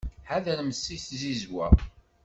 Ḥadremt seg tzizwa.